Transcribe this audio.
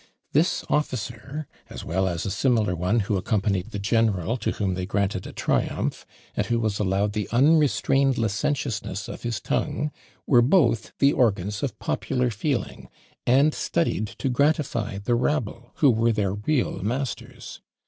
This officer, as well as a similar one who accompanied the general to whom they granted a triumph, and who was allowed the unrestrained licentiousness of his tongue, were both the organs of popular feeling, and studied to gratify the rabble, who were their real masters.